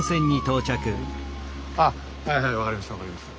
あっはいはい分かりました分かりました。